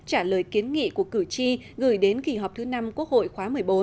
trả lời kiến nghị của cử tri gửi đến kỳ họp thứ năm quốc hội khóa một mươi bốn